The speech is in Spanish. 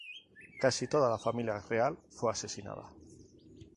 Casi toda la familia real fue asesinada.